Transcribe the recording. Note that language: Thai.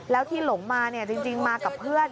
แล้วที่หลงมาจริงมากับเพื่อน